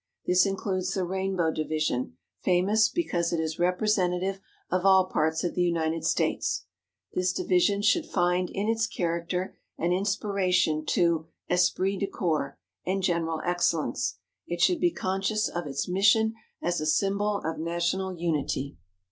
This includes the Rainbow Division, famous because it is representative of all parts of the United States. This division should find in its character an inspiration to esprit de corps and general excellence. It should be conscious of its mission as a symbol of national unity.